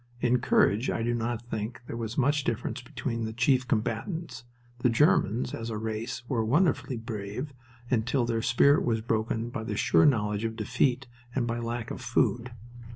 In courage I do not think there was much difference between the chief combatants. The Germans, as a race, were wonderfully brave until their spirit was broken by the sure knowledge of defeat and by lack of food.